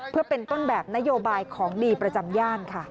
เพื่อเป็นต้นแบบนโยบายของดีประจำย่านค่ะ